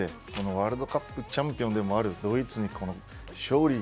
ワールドカップのチャンピオンでもあるドイツに勝利。